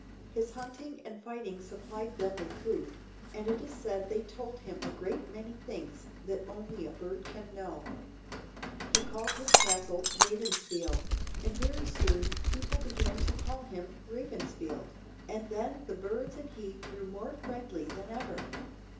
His hunting and fighting supplied them with food, and it is said they told him a great many things that only a bird can know. He called his castle Ravensfield, and very soon people began to call him Ravensfield, and then the birds and he grew more friendly than ever.